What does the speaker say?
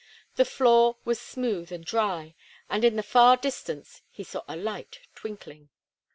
The floor was smooth and dry, and in the far distance he saw a light twinkling.